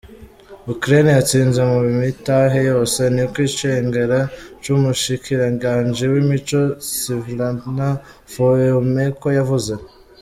"Ukraine yatsinze ku mitahe yose," niko icegera c'umushikiranganji w'imico Svitlana Fomenko yavuze.